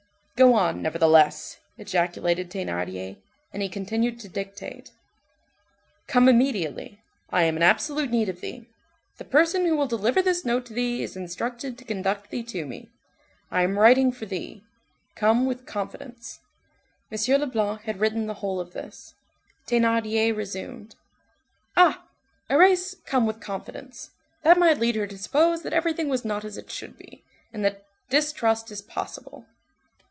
"Go on, nevertheless," ejaculated Thénardier, and he continued to dictate:— "Come immediately, I am in absolute need of thee. The person who will deliver this note to thee is instructed to conduct thee to me. I am waiting for thee. Come with confidence." M. Leblanc had written the whole of this. Thénardier resumed:— "Ah! erase 'come with confidence'; that might lead her to suppose that everything was not as it should be, and that distrust is possible."